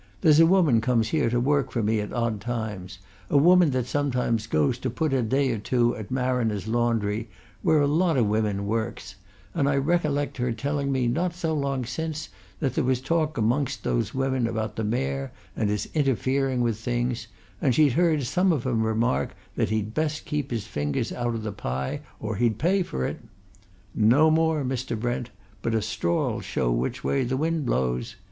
There's a woman comes here to work for me at odd times, a woman that sometimes goes to put in a day or two at Marriner's Laundry, where a lot of women works, and I recollect her telling me not so long since that there was talk amongst those women about the Mayor and his interfering with things, and she'd heard some of 'em remark that he'd best keep his fingers out o' the pie or he'd pay for it. No more, Mr. Brent; but a straw'll show which way the wind blows.